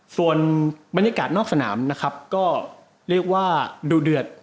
ส่วนบรรยากาศนอกสนามนะครับก็เรียกว่าดูเดือด